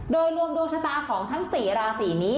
โดยรวมดวงชะตาของทั้ง๔ราศีนี้